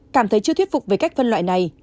cảm thấy chưa thuyết phục về cách phân loại này